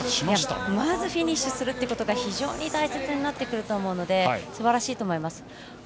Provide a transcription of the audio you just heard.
まずフィニッシュするのが非常に大切になってくるのですばらしいと思います。